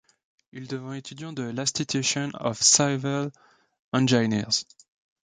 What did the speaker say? Il devint étudiant de l'Institution of Civil Engineers.